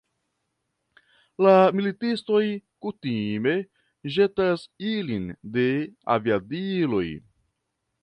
La militistoj kutime ĵetas ilin de aviadiloj.